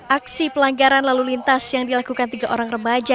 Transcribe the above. aksi pelanggaran lalu lintas yang dilakukan tiga orang remaja